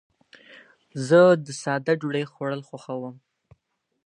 زه د ساده ډوډۍ خوړل خوښوم.